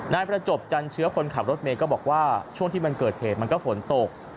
นายประจบจันเชื้อคนขับรถเมย์ก็บอกว่าช่วงที่มันเกิดเหตุมันก็ฝนตก